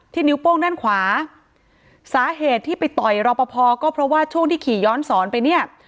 นิ้วโป้งด้านขวาสาเหตุที่ไปต่อยรอปภก็เพราะว่าช่วงที่ขี่ย้อนสอนไปเนี่ย